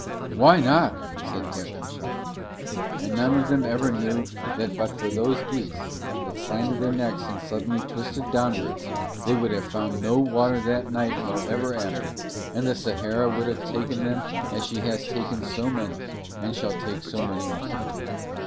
"Why not?" said Captain Shard. And none of them ever knew that but for those geese, that slanted their necks and suddenly twisted downwards, they would have found no water that night nor ever after, and the Sahara would have taken them as she has taken so many and shall take so many more.